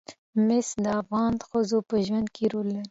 مس د افغان ښځو په ژوند کې رول لري.